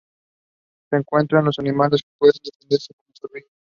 Se encuentra en animales que pueden defenderse, como zorrillos.